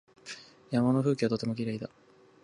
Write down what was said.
山の風景がとてもきれいでした。